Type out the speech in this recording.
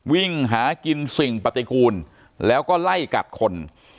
วิ่งหากินสิ่งปฏิกูลแล้วก็ไล่กัดคน